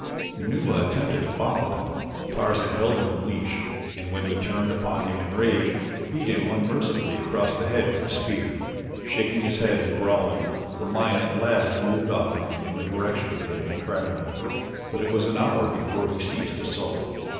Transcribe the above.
Numa attempted to follow them; Tarzan held him in leash and when he turned upon him in rage, beat him unmercifully across the head with his spear. Shaking his head and growling, the lion at last moved off again in the direction they had been traveling; but it was an hour before he ceased to sulk.